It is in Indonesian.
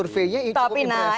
tapi nah elektabilitas betul